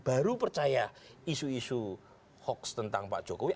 baru percaya isu isu hoax tentang pak jokowi